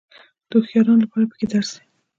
د هوښیارانو لپاره پکې درس دی.